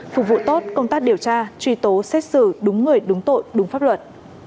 phục vụ tốt công tác điều tra truy tố xét xử đúng người đúng tội đúng pháp luật